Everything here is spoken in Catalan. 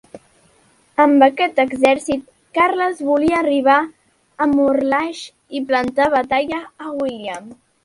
Amb aquest exèrcit, Carles volia arribar a Morlaix i plantar batalla a William.